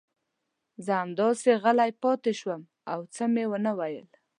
زه همداسې غلی پاتې شوم او څه مې ونه ویل.